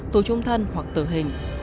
tù trung thân hoặc tử hình